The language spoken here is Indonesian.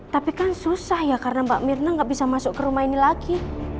tapi kan susah ya karena mbak mirna nggak bisa masuk ke rumah ini lagi